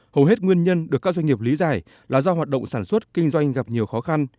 hầu hết nguyên nhân được các doanh nghiệp lý giải là do hoạt động sản xuất kinh doanh gặp nhiều khó khăn